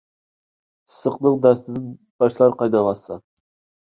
ئىسسىقنىڭ دەستىدىن باشلار قايناۋاتسا.